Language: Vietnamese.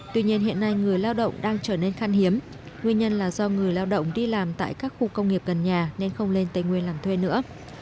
tuy nhiên hiện nay người lao động đang trở nên khăn hiếm nguyên nhân là do người lao động đi làm tại các khu công nghiệp gần nhà nên không lên tây nguyên làm thuê nữa